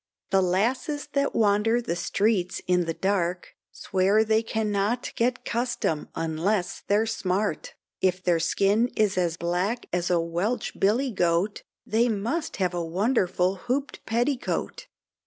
The lasses that wander the streets in the dark, Swear they cannot get custom unless they're smart, If their skin is as black as a Welch Billy Goat, They must have a wonderful hooped petticoat.